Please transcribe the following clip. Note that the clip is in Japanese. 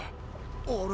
あれ？